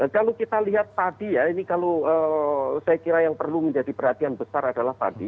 kalau kita lihat tadi ya ini kalau saya kira yang perlu menjadi perhatian besar adalah tadi